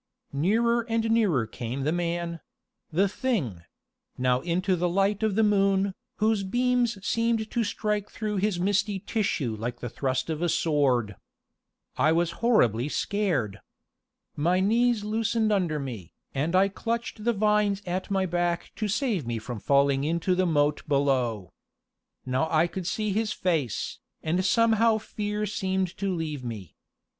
_ Nearer and nearer came the man the Thing now into the light of the moon, whose beams seemed to strike through his misty tissue like the thrust of a sword. I was horribly scared. My knees loosened under me, and I clutched the vines at my back to save me from falling into the moat below. Now I could see his face, and somehow fear seemed to leave me.